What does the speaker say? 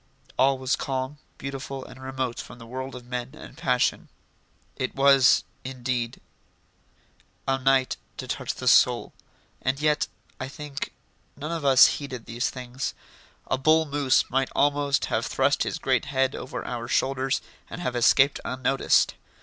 All was calm, beautiful, and remote from the world of men and passion. It was, indeed, a night to touch the soul, and yet, I think, none of us heeded these things. A bull moose might almost have thrust his great head over our shoulders and have escaped unnoticed.